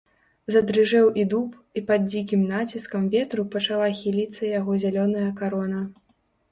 Задрыжэў і дуб, і пад дзікім націскам ветру пачала хіліцца яго зялёная карона.